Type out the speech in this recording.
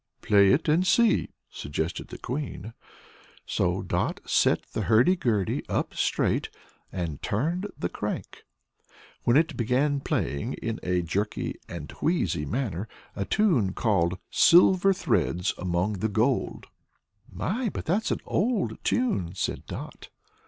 "Play it, and see," suggested the Queen. So Dot set the hurdy gurdy up straight and turned the crank, when it began playing in a jerky and wheezy manner a tune called "Silver Threads Among the Gold." "My! But that's an old tune," said Dot.